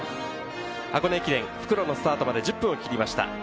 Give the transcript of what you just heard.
箱根駅伝復路のスタートまで１０分を切りました。